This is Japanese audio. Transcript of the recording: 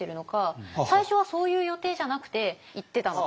最初はそういう予定じゃなくて行ってたのか。